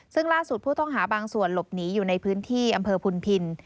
ซึ่งล่าสุดผู้ต้องหาบางส่วนหลบหนีอยู่ในพื้นที่อำเภอพุนพิน